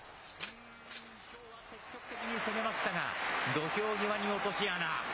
うーん、きょうは積極的に攻めましたが、土俵際に落とし穴。